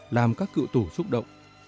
làm các cựu tù xúc động